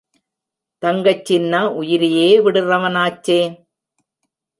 தங்கச்சின்னா உயிரையே விடுறவனாச்சே!